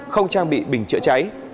không trang bị bình chữa cháy